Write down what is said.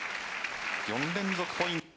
４連続ポイント。